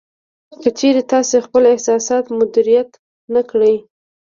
که چېرې تاسې خپل احساسات مدیریت نه کړئ